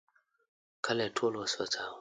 کلی ټول وسوځاوه.